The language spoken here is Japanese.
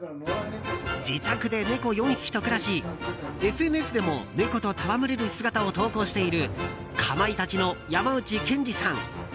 自宅で猫４匹と暮らしＳＮＳでも猫と戯れる姿を投稿しているかまいたちの山内健司さん。